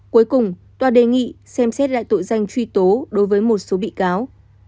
cuối cùng tòa đề nghị xem xét lại tội danh truy tố đối với một số bị cáo